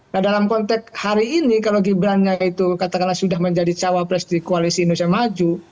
nah dalam konteks hari ini kalau gibran nya itu katakanlah sudah menjadi cawapres di koalisi indonesia maju